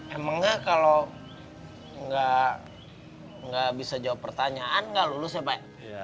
emang gak kalau gak bisa jawab pertanyaan gak lulus ya pak